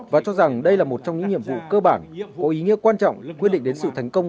và cho rằng đây là một trong những nhiệm vụ cơ bản có ý nghĩa quan trọng quyết định đến sự thành công